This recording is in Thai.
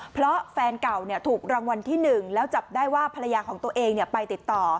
เพราะแฟนเก่าถูกรางวัลที่๑แล้วจับได้ว่าภรรยาของตัวเองไปติดต่อ